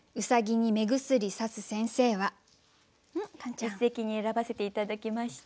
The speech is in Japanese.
一席に選ばせて頂きました。